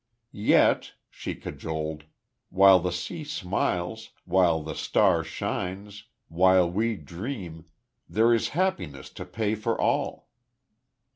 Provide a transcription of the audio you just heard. "Yet," she cajoled, "while the sea smiles while the star shines while we dream there is happiness to pay for all."